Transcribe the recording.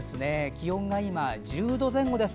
気温が今、１０度前後です。